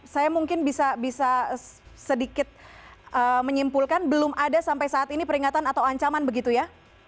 saya mungkin bisa sedikit menyimpulkan belum ada sampai saat ini peringatan atau ancaman begitu ya